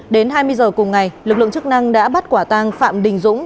đến hai mươi h cùng ngày lực lượng chức năng đã bắt quả tang phạm đình dũng